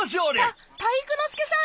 た体育ノ介さん！